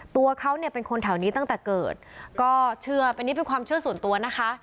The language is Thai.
ตัวเขาเนี่ยเป็นคนแถวนี้ตั้งแต่เกิดก็เชื่อเป็นนี้เป็นความเชื่อส่วนตัวนะคะ